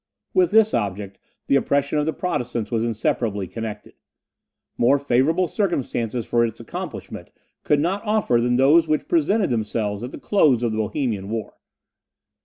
With this object, the oppression of the Protestants was inseparably connected. More favourable circumstances for its accomplishment could not offer than those which presented themselves at the close of the Bohemian war.